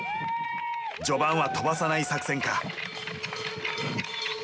序盤は飛ばさない作戦か。